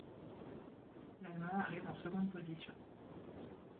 L'allemand arrive en seconde position.